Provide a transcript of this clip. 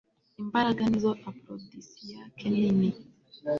Imbaraga nizo aprodisiac nini